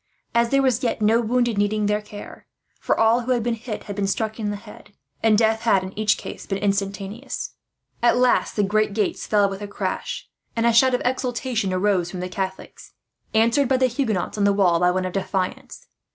As yet there were no wounded needing their care, for all who had been hit had been struck in the head; and death had, in each case, been instantaneous. At last the great gates fell with a crash, and a shout of exultation arose from the Catholics; answered, by the Huguenots on the wall, by one of defiance.